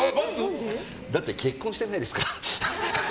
だって、結婚してないですから。